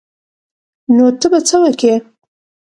نو ته به څه وکې.